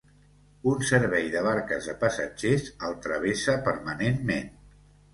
Un servei de barques de passatgers el travessa permanentment.